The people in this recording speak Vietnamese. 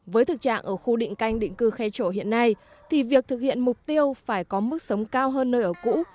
với thực trạng ở khu định canh định cư khe chỗ hiện nay thì việc thực hiện mục tiêu phải có mức sống cao hơn nơi ở cũ